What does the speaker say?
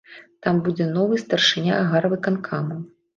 Там будзе новы старшыня гарвыканкама.